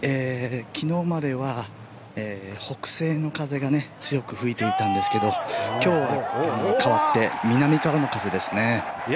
昨日までは北西の風が強く吹いていたんですが今日は変わって南からの風ですね。